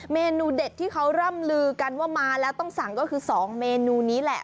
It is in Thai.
เมนูเด็ดที่เขาร่ำลือกันว่ามาแล้วต้องสั่งก็คือ๒เมนูนี้แหละ